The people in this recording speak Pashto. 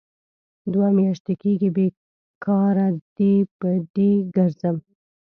دوه میاشې کېږي بې کاره ډۍ په ډۍ کرځم.